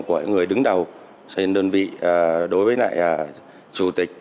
của những người đứng đầu trên đơn vị đối với lại